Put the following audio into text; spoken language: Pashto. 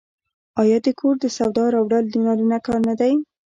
آیا د کور د سودا راوړل د نارینه کار نه دی؟